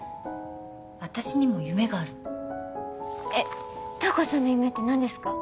私にも夢があるのえっ瞳子さんの夢って何ですか？